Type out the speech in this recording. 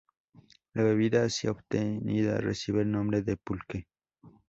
La bebida así obtenida recibe el nombre de Pulque.